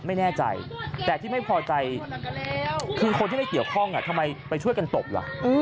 ไม่แน่ใจแต่ที่ไม่พอใจคือคนที่ไม่เกี่ยวข้องทำไมไปช่วยกันตบล่ะ